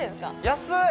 安い！